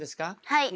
はい。